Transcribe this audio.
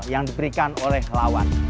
yang diberikan oleh lawan